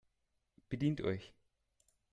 Bedient euch